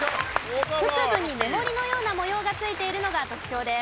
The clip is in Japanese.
腹部に目盛りのような模様がついているのが特徴です。